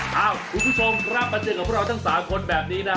เหมือนคุณผู้ชมรับมาเจอกับพวกเราทั้งสามคนแบบนี้นะครับ